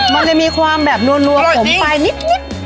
มันจะมีความแบบนัวขมไปนิด